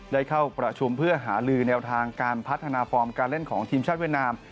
ได้เข้าประชุมเพื่อหาลือแนวทางการพัฒนาฟอร์มการเล่นของทีมชาติเวียดนาม